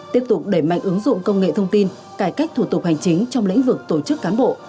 tiếp tục đẩy mạnh ứng dụng công nghệ thông tin cải cách thủ tục hành chính trong lĩnh vực tổ chức cán bộ